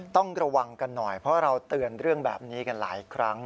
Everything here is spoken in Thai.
ต้องระวังกันหน่อยเพราะเราเตือนเรื่องแบบนี้กันหลายครั้ง